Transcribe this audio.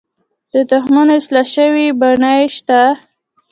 د تخمونو اصلاح شوې بڼې شته؟